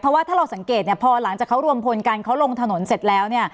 เพราะว่าถ้าเราสังเกตเนี่ยพอหลังจากเขารวมพลกันเขาลงถนนเสร็จแล้วเนี่ย